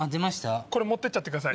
これ持ってっちゃってください。